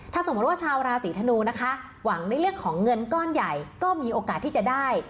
ถ้าสมมุติว่าชาวราศีธนูนะคะหวังในเรื่องของเงินก้อนใหญ่ก็มีโอกาสที่จะได้